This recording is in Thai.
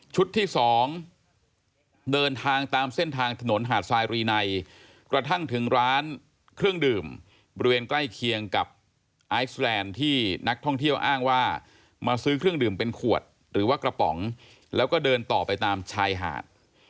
ที่สองเดินทางตามเส้นทางถนนหาดทรายรีนัยกระทั่งถึงร้านเครื่องดื่มบริเวณใกล้เคียงกับไอซ์แลนด์ที่นักท่องเที่ยวอ้างว่ามาซื้อเครื่องดื่มเป็นขวดหรือว่ากระป๋องแล้วก็เดินต่อไปตามชายหาด